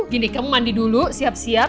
gini kamu mandi dulu siap siap